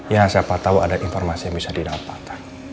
ya siapa tahu ada informasi yang bisa didapat